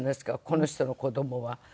この人の子どもは。